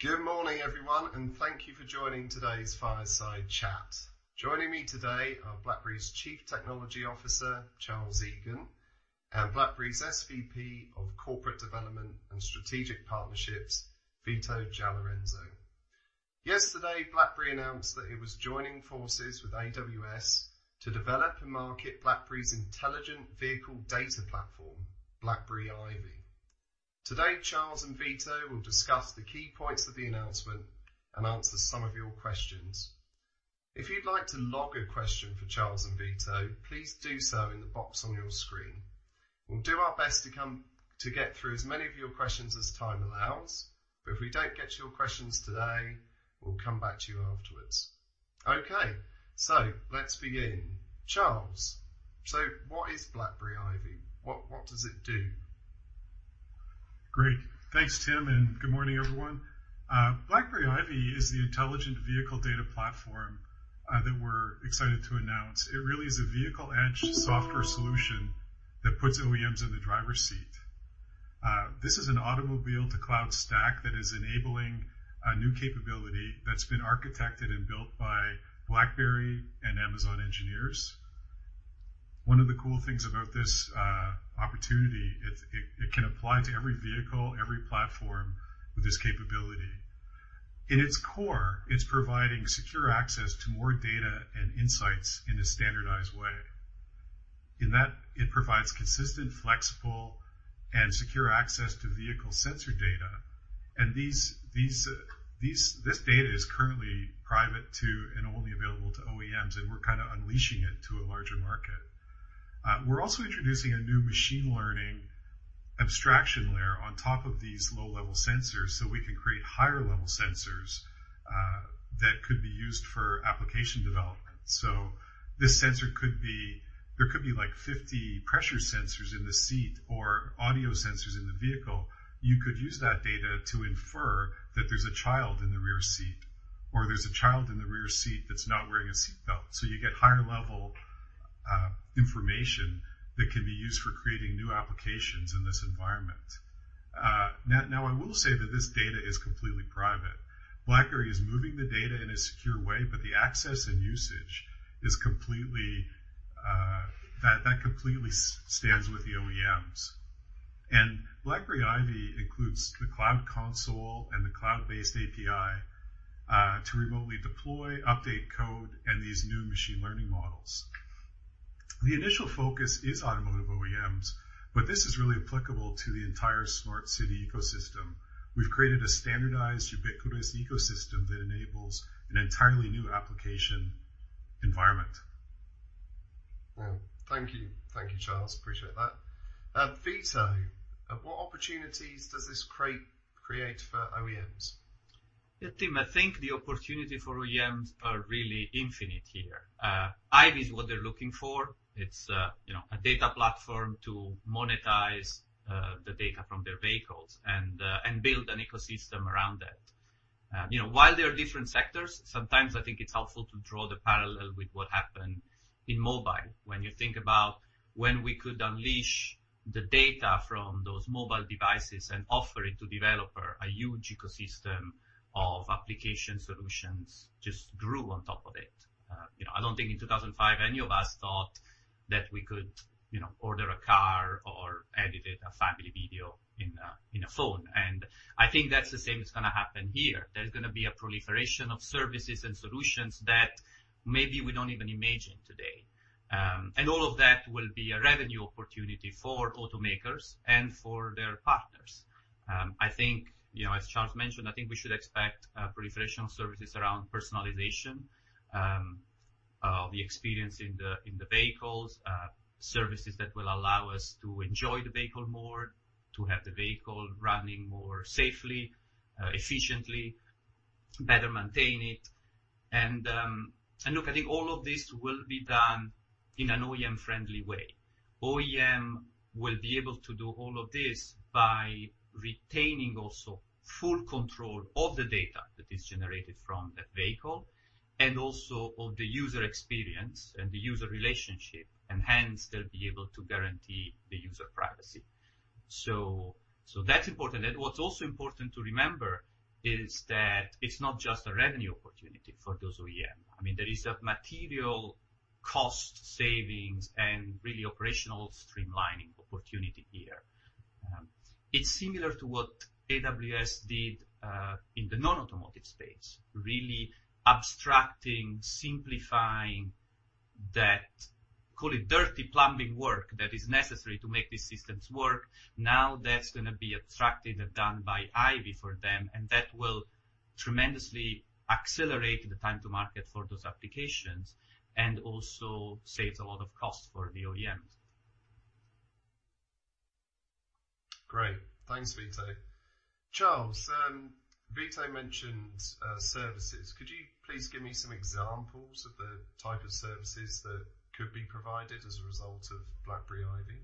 Good morning, everyone. Thank you for joining today's Fireside Chat. Joining me today are BlackBerry's Chief Technology Officer, Charles Eagan, and BlackBerry's SVP of Corporate Development and Strategic Partnerships, Vito Giallorenzo. Yesterday, BlackBerry announced that it was joining forces with AWS to develop and market BlackBerry's intelligent vehicle data platform, BlackBerry IVY. Today, Charles and Vito will discuss the key points of the announcement and answer some of your questions. If you'd like to log a question for Charles and Vito, please do so in the box on your screen. We'll do our best to get through as many of your questions as time allows. If we don't get to your questions today, we'll come back to you afterwards. Okay. Let's begin. Charles, so what is BlackBerry IVY? What does it do? Great. Thanks, chairman, and good morning, everyone. BlackBerry IVY is the intelligent vehicle data platform that we're excited to announce. It really is a vehicle edge software solution that puts OEMs in the driver's seat. This is an automobile to cloud stack that is enabling a new capability that's been architected and built by BlackBerry and Amazon engineers. One of the cool things about this opportunity, it can apply to every vehicle, every platform with this capability. In its core, it's providing secure access to more data and insights in a standardized way. This data is currently private to and only available to OEMs, and we're kind of unleashing it to a larger market. We're also introducing a new machine learning abstraction layer on top of these low-level sensors so we can create higher-level sensors that could be used for application development. There could be like 50 pressure sensors in the seat or audio sensors in the vehicle. You could use that data to infer that there's a child in the rear seat, or there's a child in the rear seat that's not wearing a seat belt. You get higher-level information that can be used for creating new applications in this environment. Now, I will say that this data is completely private. BlackBerry is moving the data in a secure way, but the access and usage, that completely stands with the OEMs. BlackBerry IVY includes the cloud console and the cloud-based API, to remotely deploy, update code, and these new machine learning models. The initial focus is automotive OEMs, but this is really applicable to the entire smart city ecosystem. We've created a standardized, ubiquitous ecosystem that enables an entirely new application environment. Wow. Thank you. Thank you, Charles. Appreciate that. Vito, what opportunities does this create for OEMs? Yeah, Tim, I think the opportunity for OEMs are really infinite here. IVY is what they're looking for. It's a data platform to monetize the data from their vehicles and build an ecosystem around that. While they are different sectors, sometimes I think it's helpful to draw the parallel with what happened in mobile. When you think about when we could unleash the data from those mobile devices and offer it to developer, a huge ecosystem of application solutions just grew on top of it. I don't think in 2005 any of us thought that we could order a car or edited a family video in a phone. I think that's the same that's going to happen here. There's going to be a proliferation of services and solutions that maybe we don't even imagine today. All of that will be a revenue opportunity for automakers and for their partners. I think, as Charles mentioned, I think we should expect a proliferation of services around personalization, the experience in the vehicles, services that will allow us to enjoy the vehicle more, to have the vehicle running more safely, efficiently, better maintain it. Look, I think all of this will be done in an OEM-friendly way. OEM will be able to do all of this by retaining also full control of the data that is generated from that vehicle and also of the user experience and the user relationship, hence they'll be able to guarantee the user privacy. That's important. What's also important to remember is that it's not just a revenue opportunity for those OEM. There is a material cost savings and really operational streamlining opportunity here. It's similar to what AWS did in the non-automotive space, really abstracting, simplifying that, call it dirty plumbing work that is necessary to make these systems work. Now that's going to be abstracted and done by IVY for them, and that will tremendously accelerate the time to market for those applications and also saves a lot of cost for the OEMs. Great. Thanks, Vito. Charles, Vito mentioned services. Could you please give me some examples of the type of services that could be provided as a result of BlackBerry IVY?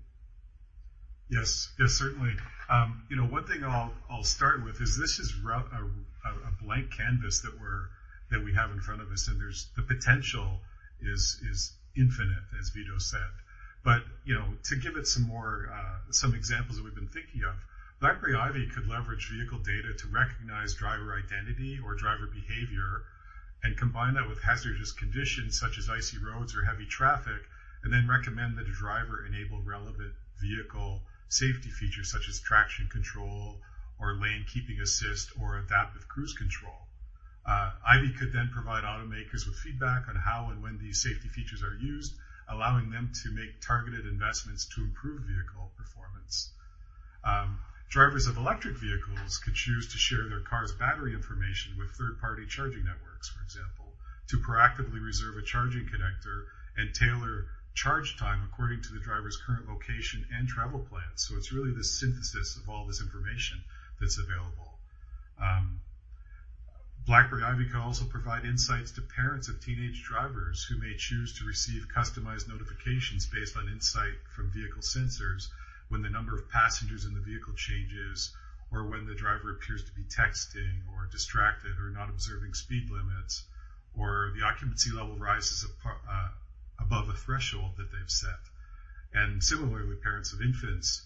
Yes. Certainly. One thing I'll start with is this is a blank canvas that we have in front of us, and the potential is infinite, as Vito said. To give it some more examples that we've been thinking of. BlackBerry IVY could leverage vehicle data to recognize driver identity or driver behavior and combine that with hazardous conditions such as icy roads or heavy traffic, and then recommend that a driver enable relevant vehicle safety features such as traction control or lane keeping assist or adaptive cruise control. IVY could then provide automakers with feedback on how and when these safety features are used, allowing them to make targeted investments to improve vehicle performance. Drivers of electric vehicles could choose to share their car's battery information with third-party charging networks, for example, to proactively reserve a charging connector and tailor charge time according to the driver's current location and travel plans. It's really the synthesis of all this information that's available. BlackBerry IVY can also provide insights to parents of teenage drivers who may choose to receive customized notifications based on insight from vehicle sensors when the number of passengers in the vehicle changes, or when the driver appears to be texting or distracted or not observing speed limits, or the occupancy level rises above a threshold that they've set. Similarly with parents of infants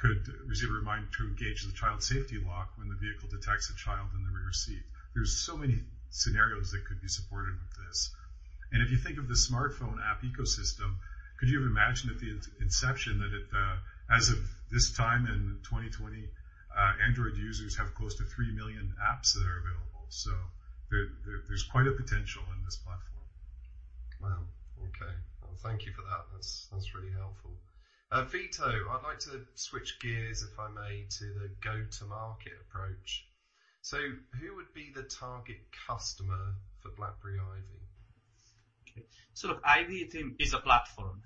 could receive a reminder to engage the child safety lock when the vehicle detects a child in the rear seat. There's so many scenarios that could be supported with this. If you think of the smartphone app ecosystem, could you have imagined at the inception that as of this time in 2020, Android users have close to 3 million apps that are available? There's quite a potential in this platform. Wow, okay. Well, thank you for that. That's really helpful. Vito, I'd like to switch gears, if I may, to the go-to-market approach. Who would be the target customer for BlackBerry IVY? BlackBerry IVY is a platform,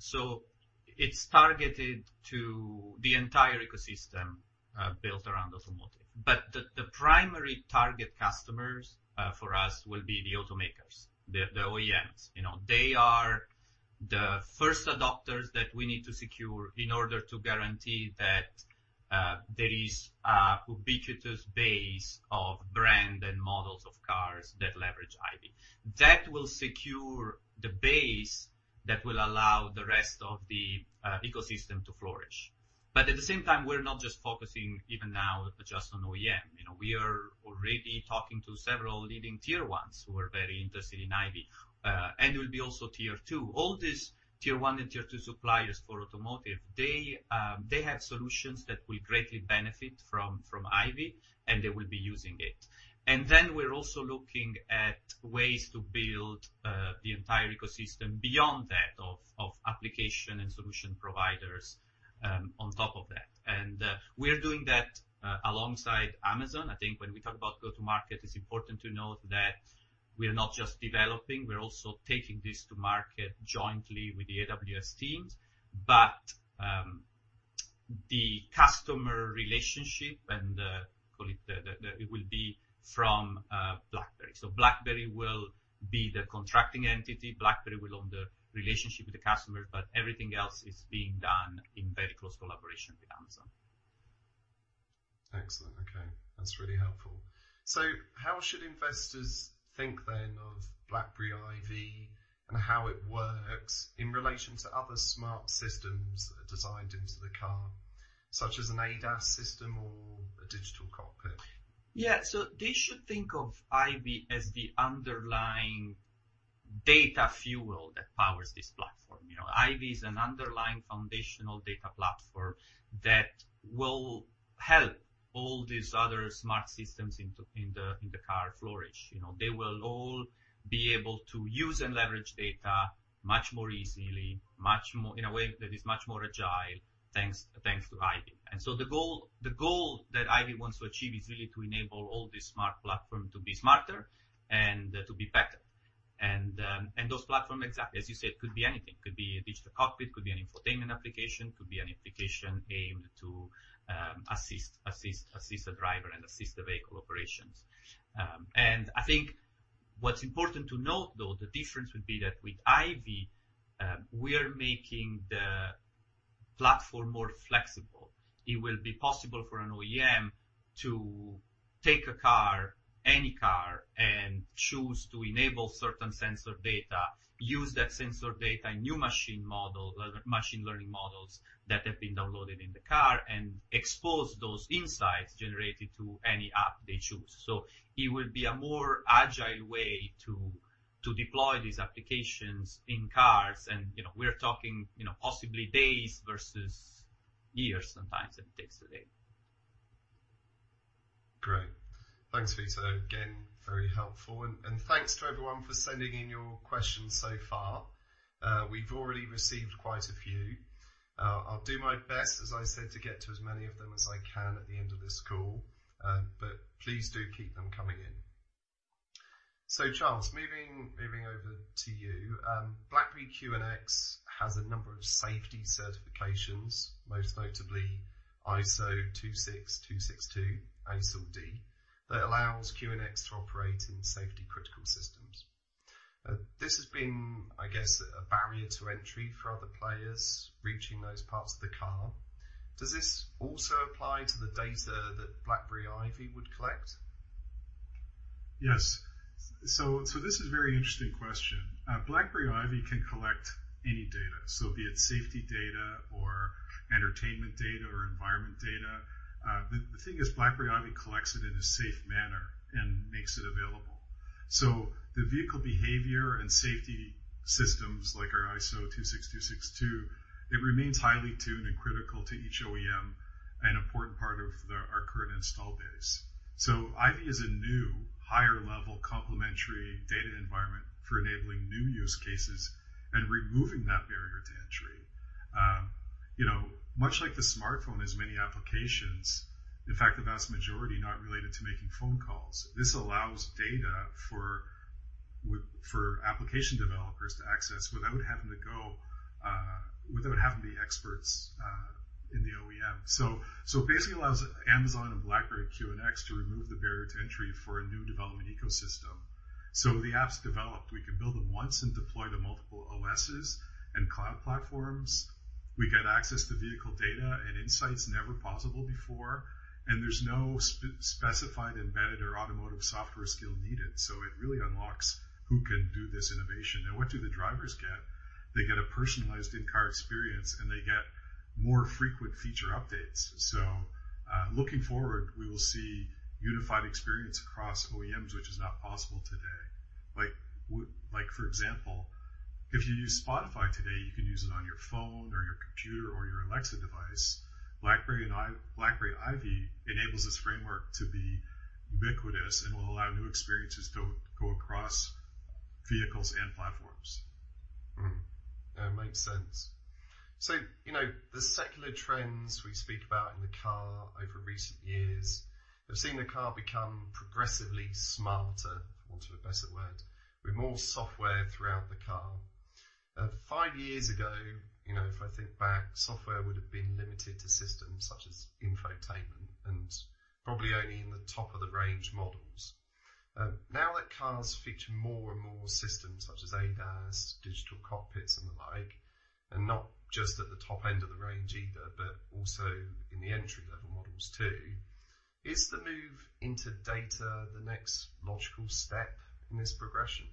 so it's targeted to the entire ecosystem built around automotive. The primary target customers for us will be the automakers, the OEMs. They are the first adopters that we need to secure in order to guarantee that there is a ubiquitous base of brand and models of cars that leverage BlackBerry IVY. That will secure the base that will allow the rest of the ecosystem to flourish. At the same time, we're not just focusing even now just on OEM. We are already talking to several leading Tier 1s who are very interested in BlackBerry IVY. Will be also Tier 2. All these Tier 1 and Tier 2 suppliers for automotive, they have solutions that will greatly benefit from BlackBerry IVY, and they will be using it. Then we're also looking at ways to build the entire ecosystem beyond that of application and solution providers on top of that. We're doing that alongside Amazon. I think when we talk about go-to-market, it's important to note that we're not just developing, we're also taking this to market jointly with the AWS teams. The customer relationship and call it will be from BlackBerry. BlackBerry will be the contracting entity. BlackBerry will own the relationship with the customers, but everything else is being done in very close collaboration with Amazon. Excellent. Okay, that's really helpful. How should investors think then of BlackBerry IVY and how it works in relation to other smart systems that are designed into the car, such as an ADAS system or a digital cockpit? They should think of IVY as the underlying data fuel that powers this platform. IVY is an underlying foundational data platform that will help all these other smart systems in the car flourish. They will all be able to use and leverage data much more easily, in a way that is much more agile, thanks to IVY. The goal that IVY wants to achieve is really to enable all these smart platform to be smarter and to be better. Those platform exactly as you said, could be anything. Could be a digital cockpit, could be an infotainment application, could be an application aimed to assist a driver and assist the vehicle operations. I think what's important to note, though, the difference would be that with IVY, we are making the platform more flexible. It will be possible for an OEM to take a car, any car, and choose to enable certain sensor data, use that sensor data in new machine learning models that have been downloaded in the car, and expose those insights generated to any app they choose. It will be a more agile way to deploy these applications in cars, and we're talking possibly days versus years sometimes that it takes today. Great. Thanks, Vito. Again, very helpful. Thanks to everyone for sending in your questions so far. We've already received quite a few. I'll do my best, as I said, to get to as many of them as I can at the end of this call. Please do keep them coming in. Charles, moving over to you. BlackBerry QNX has a number of safety certifications, most notably ISO 26262 ASIL D that allows QNX to operate in safety-critical systems. This has been, I guess, a barrier to entry for other players reaching those parts of the car. Does this also apply to the data that BlackBerry IVY would collect? Yes. This is a very interesting question. BlackBerry IVY can collect any data. Be it safety data or entertainment data or environment data. The thing is, BlackBerry IVY collects it in a safe manner and makes it available. The vehicle behavior and safety systems like our ISO 26262, it remains highly tuned and critical to each OEM and important part of our current install base. IVY is a new, higher level complementary data environment for enabling new use cases and removing that barrier to entry. Much like the smartphone has many applications, in fact, the vast majority not related to making phone calls, this allows data for application developers to access without having to be experts in the OEM. Basically allows Amazon and BlackBerry QNX to remove the barrier to entry for a new development ecosystem. The apps developed, we can build them once and deploy to multiple OSs and cloud platforms. We get access to vehicle data and insights never possible before, and there's no specified embedded or automotive software skill needed. It really unlocks who can do this innovation. What do the drivers get? They get a personalized in-car experience, and they get more frequent feature updates. Looking forward, we will see unified experience across OEMs, which is not possible today. For example, if you use Spotify today, you can use it on your phone or your computer or your Alexa device. BlackBerry IVY enables this framework to be ubiquitous and will allow new experiences to go across vehicles and platforms. Mm-hmm. Yeah, makes sense. The secular trends we speak about in the car over recent years have seen the car become progressively smarter, for want of a better word, with more software throughout the car. Five years ago, if I think back, software would've been limited to systems such as infotainment and probably only in the top of the range models. Now that cars feature more and more systems such as ADAS, digital cockpits, and the like, and not just at the top end of the range either, but also in the entry-level models too. Is the move into data the next logical step in this progression?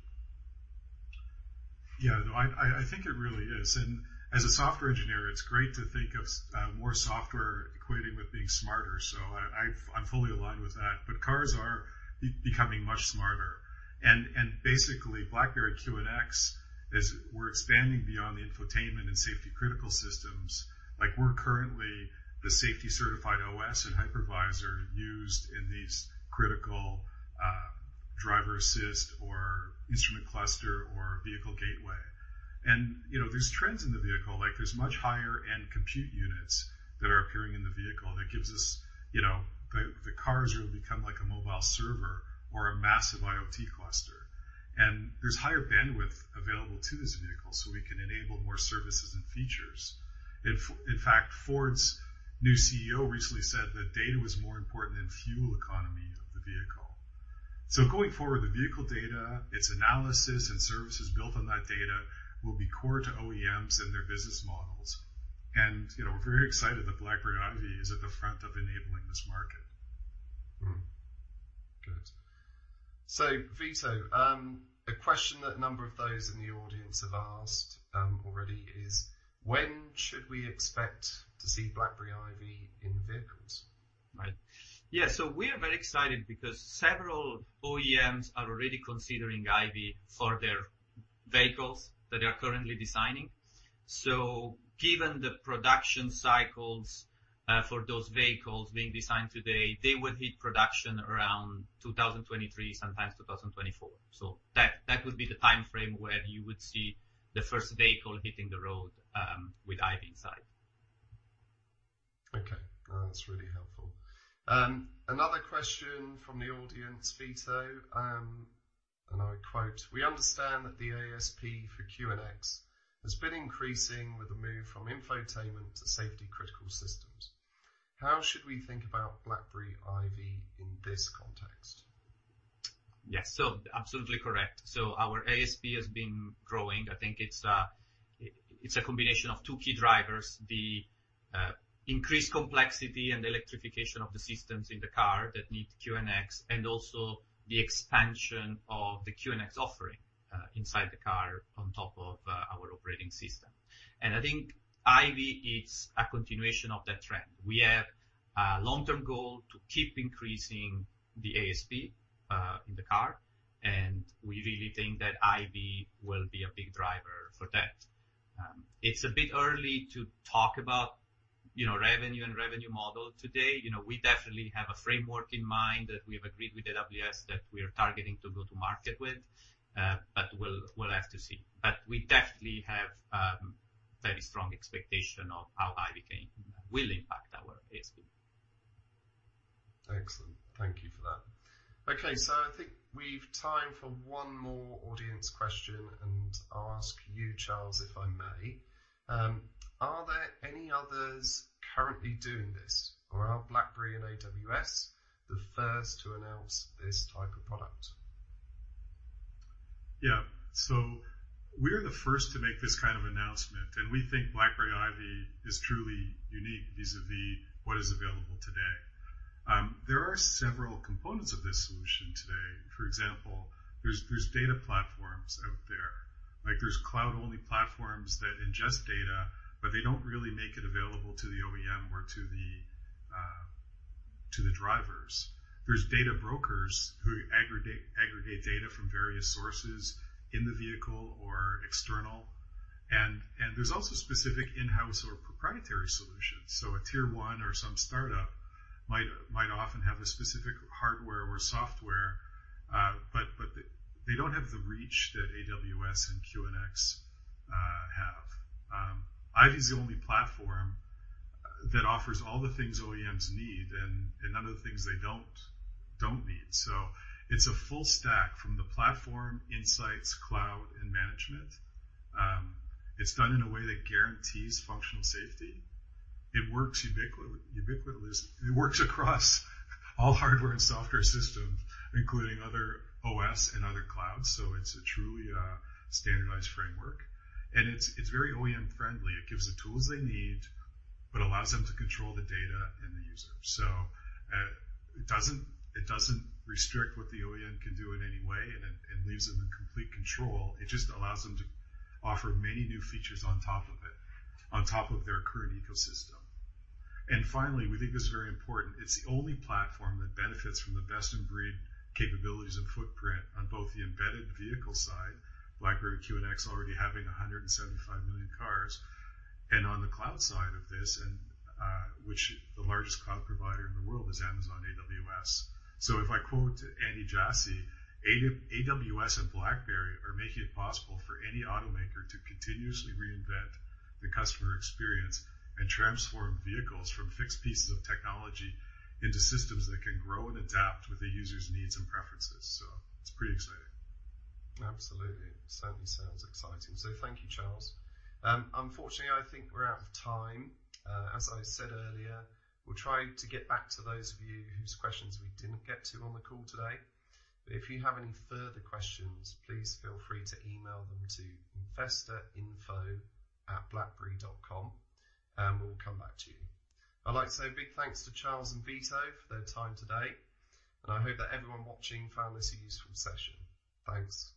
Yeah, no, I think it really is, and as a software engineer, it's great to think of more software equating with being smarter. I'm fully aligned with that. Cars are becoming much smarter and basically BlackBerry QNX we're expanding beyond the infotainment and safety critical systems. Like we're currently the safety certified OS and hypervisor used in these critical driver assist or instrument cluster or vehicle gateway. There's trends in the vehicle, like there's much higher-end compute units that are appearing in the vehicle that gives us the cars really become like a mobile server or a massive IoT cluster. There's higher bandwidth available to this vehicle, so we can enable more services and features. In fact, Ford's new CEO recently said that data was more important than fuel economy of the vehicle. Going forward, the vehicle data, its analysis and services built on that data will be core to OEMs and their business models. We're very excited that BlackBerry IVY is at the front of enabling this market. Good. Vito, a question that a number of those in the audience have asked already is when should we expect to see BlackBerry IVY in vehicles? Right. Yeah, we are very excited because several OEMs are already considering IVY for their vehicles that they are currently designing. Given the production cycles for those vehicles being designed today, they would hit production around 2023, sometimes 2024. That would be the timeframe where you would see the first vehicle hitting the road with IVY inside. Okay. That's really helpful. Another question from the audience, Vito, and I quote, "We understand that the ASP for QNX has been increasing with the move from infotainment to safety critical systems. How should we think about BlackBerry IVY in this context? Yeah, absolutely correct. Our ASP has been growing. I think it's a combination of two key drivers, the increased complexity and electrification of the systems in the car that need QNX, and also the expansion of the QNX offering inside the car on top of our operating system. I think IVY is a continuation of that trend. We have a long-term goal to keep increasing the ASP in the car, and we really think that IVY will be a big driver for that. It's a bit early to talk about revenue and revenue model today. We definitely have a framework in mind that we have agreed with AWS that we are targeting to go to market with, we'll have to see. We definitely have very strong expectation of how IVY will impact our ASP. Excellent. Thank you for that. Okay, I think we've time for one more audience question, and I'll ask you, Charles, if I may. Are there any others currently doing this, or are BlackBerry and AWS the first to announce this type of product? Yeah. We're the first to make this kind of announcement, and we think BlackBerry IVY is truly unique vis-a-vis what is available today. There are several components of this solution today. For example, there's data platforms out there. There's cloud-only platforms that ingest data, but they don't really make it available to the OEM or to the drivers. There's data brokers who aggregate data from various sources in the vehicle or external, and there's also specific in-house or proprietary solutions. A Tier 1 or some startup might often have a specific hardware or software, but they don't have the reach that AWS and QNX have. IVY's the only platform that offers all the things OEMs need and none of the things they don't need. It's a full stack from the platform, insights, cloud, and management. It's done in a way that guarantees functional safety. It works ubiquitously. It works across all hardware and software systems, including other OS and other clouds, so it's a truly standardized framework, and it's very OEM friendly. It gives the tools they need but allows them to control the data and the user. It doesn't restrict what the OEM can do in any way, and it leaves them in complete control. It just allows them to offer many new features on top of it, on top of their current ecosystem. Finally, we think this is very important. It's the only platform that benefits from the best-in-breed capabilities and footprint on both the embedded vehicle side, BlackBerry QNX already having 175 million cars, and on the cloud side of this, which the largest cloud provider in the world is Amazon AWS. If I quote Andy Jassy, "AWS and BlackBerry are making it possible for any automaker to continuously reinvent the customer experience and transform vehicles from fixed pieces of technology into systems that can grow and adapt with a user's needs and preferences." It's pretty exciting. Absolutely. Certainly sounds exciting. Thank you, Charles. Unfortunately, I think we're out of time. As I said earlier, we'll try to get back to those of you whose questions we didn't get to on the call today. If you have any further questions, please feel free to email them to investorrelations@blackberry.com, and we'll come back to you. I'd like to say a big thanks to Charles and Vito for their time today, and I hope that everyone watching found this a useful session. Thanks and goodbye.